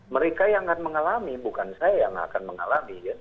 mereka yang akan mengalami bukan saya yang akan mengalami